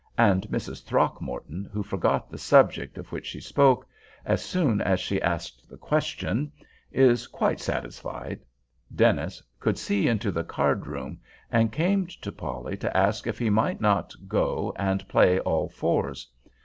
And Mrs. Throckmorton, who forgot the subject of which she spoke, as soon as she asked the question, is quite satisfied. Dennis could see into the card room, and came to Polly to ask if he might not go and play all fours.